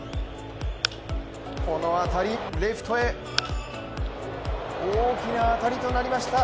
この当たり、レフトへ大きな当たりとなりました。